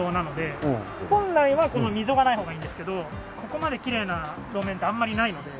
本来はこの溝がない方がいいんですけどここまできれいな路面ってあんまりないので。